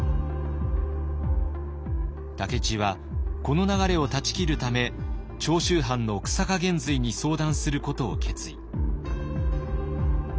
武市はこの流れを断ち切るため長州藩の久坂玄瑞に相談することを決意。